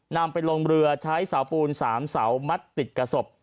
นำไปลงเรือใช้เสาปูน๓เสามัดติดกับศพ